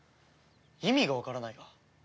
意味がわからないが。